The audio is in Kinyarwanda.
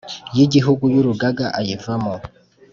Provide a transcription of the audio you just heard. y Igihugu y Urugaga ayivamo